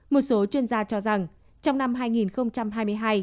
một số chuyên gia cho rằng trong năm hai nghìn hai mươi hai